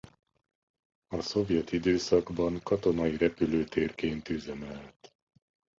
A szovjet időszakban katonai repülőtérként üzemelt.